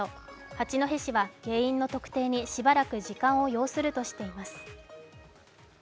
八戸市は原因の特定にしばらく時間を要するとしています。